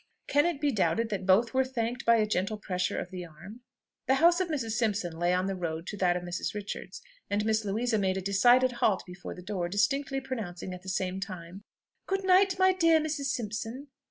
Can it be doubted that both were thanked by a gentle pressure of the arm? The house of Mrs. Simpson lay on the road to that of Mrs. Richards, and Miss Louisa made a decided halt before the door, distinctly pronouncing at the same time, "Good night, my dear Mrs. Simpson!"